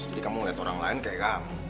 jadi kamu ngeliat orang lain kayak kamu